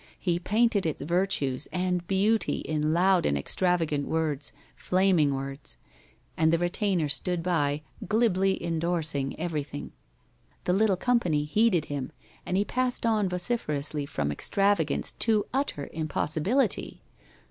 He painted its virtues and beauty in loud and extravagant words, flaming words. And the retainer stood by, glibly endorsing everything. The little company heeded him, and he passed on vociferously from extravagance to utter impossibility.